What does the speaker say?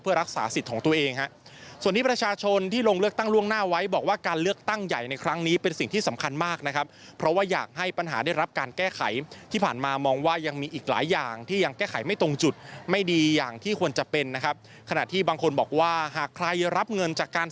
รักษาสิทธิ์ของตัวเองฮะส่วนที่ประชาชนที่ลงเลือกตั้งล่วงหน้าไว้บอกว่าการเลือกตั้งใหญ่ในครั้งนี้เป็นสิ่งที่สำคัญมากนะครับเพราะว่าอยากให้ปัญหาได้รับการแก้ไขที่ผ่านมามองว่ายังมีอีกหลายอย่างที่ยังแก้ไขไม่ตรงจุดไม่ดีอย่างที่ควรจะเป็นนะครับขณะที่บางคนบอกว่าหากใครรับเงินจากการ